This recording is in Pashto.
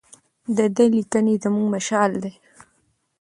د ده لیکنې زموږ مشعل دي.